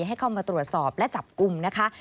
ให้เข้ามาตรวจสอบและจับกลุ่มนะคะ